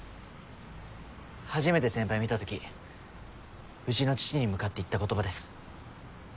初めて先輩見た時うちの父に向かって言った言葉です。